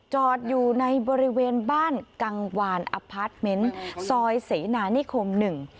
จอดอยู่ในบริเวณบ้านกังวานอพาร์ทเมนต์ซอยเสนานิคมหนึ่ง